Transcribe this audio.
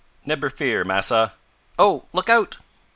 "Nebber fear, massa oh! Look out!"